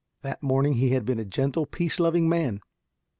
That morning he had been a gentle, peace loving man.